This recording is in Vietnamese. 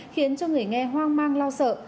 khiến cho người nghe hoang mang lo sợ